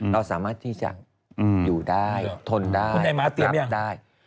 เราสามารถที่จะอยู่ได้ทนได้รับได้